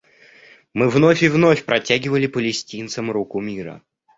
Мы вновь и вновь протягивали палестинцам руку мира.